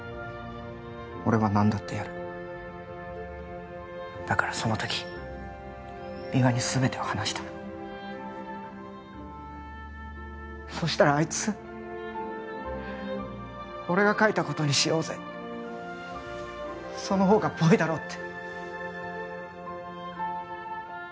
俺は何だってやるだからその時三輪にすべてを話したそしたらあいつ俺が書いたことにしようぜそのほうがぽいだろって